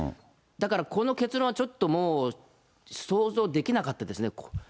だからこの結論はちょっともう、想像できなかったですね。